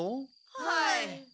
はい。